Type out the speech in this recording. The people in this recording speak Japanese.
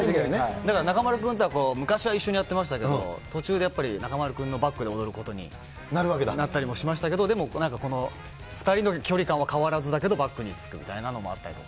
だから中丸君には、昔は一緒にやってましたけど、途中でやっぱり、中丸君のバックなったりもしましたけど、２人の距離感は変わらずだけど、バックにつくみたいなのがあったりとか。